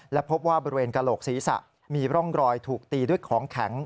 และพบว่าบริเวณกระโหลกศีรษะมีร่องรอยถูกตีด้วยของแข็ง